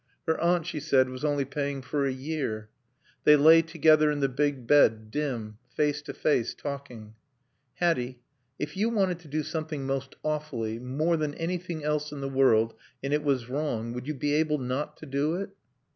Her aunt, she said, was only paying for a year. They lay together in the big bed, dim, face to face, talking. "Hatty if you wanted to do something most awfully, more than anything else in the world, and it was wrong, would you be able not to do it?"